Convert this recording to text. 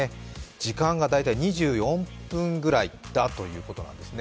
時間が大体２４分ぐらいだということですね。